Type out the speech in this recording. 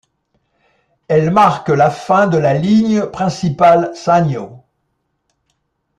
Elle marque la fin de la ligne principale Sanyō.